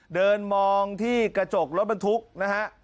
เดินมองที่กระจกรถบรรทุกนะฮะ